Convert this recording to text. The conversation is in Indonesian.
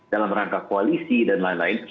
dalam rangka koalisi dan lain lain